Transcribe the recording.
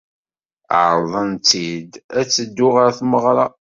Ɛerḍen-tt-id ad teddu ɣer tmeɣra.